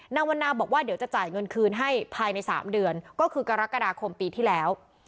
วันนาบอกว่าเดี๋ยวจะจ่ายเงินคืนให้ภายใน๓เดือนก็คือกรกฎาคมปีที่แล้ว